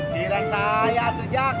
diran saya aja